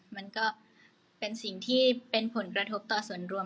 มันก็เป็นสิ่งที่เป็นผลกระทบต่อส่วนรวม